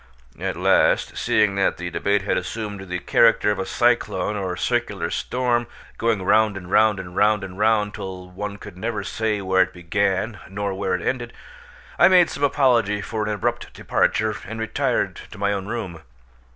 At last, seeing that the debate had assumed the character of a cyclone or circular storm, going round and round and round and round till one could never say where it began nor where it ended, I made some apology for an abrupt departure and retired to my own room.